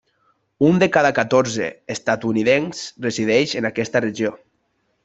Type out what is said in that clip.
Un de cada catorze estatunidencs resideix en aquesta regió.